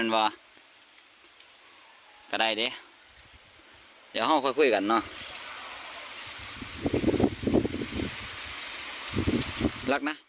เลขอ่ะเขามีมีดขู่คุณบุ๋มด้วยค่ะ